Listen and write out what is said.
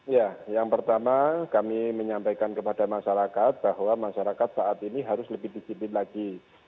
ya yang pertama kami menyampaikan kepada masyarakat bahwa masyarakat saat ini harus lebih disiplin lagi